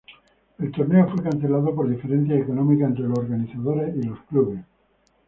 El torneo fue cancelado por diferencias económicas entre los organizadores y los clubes.